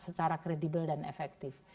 secara kredibel dan efektif